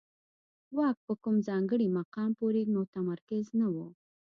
واک په کوم ځانګړي مقام پورې متمرکز نه و